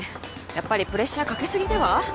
やっぱりプレッシャーかけすぎでは？